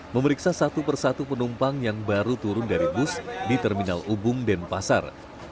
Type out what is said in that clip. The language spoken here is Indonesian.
memeriksa satu persatu penumpang yang baru turun dari bus di terminal ubung denpasar